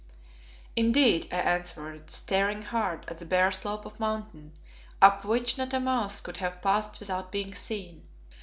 "Indeed," I answered, staring hard at the bare slope of mountain, up which not a mouse could have passed without being seen.